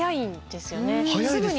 すぐに。